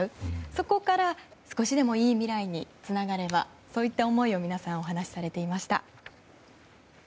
そこから少しでもいい未来につながればといった思いを皆さんお話しされていました。